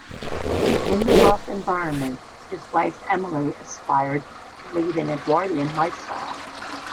In the rough environment, his wife Emily aspired to lead an Edwardian lifestyle.